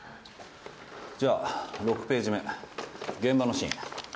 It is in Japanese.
じゃあ６ページ目現場のシーン。